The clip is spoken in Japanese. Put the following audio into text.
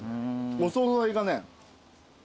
お総菜がね。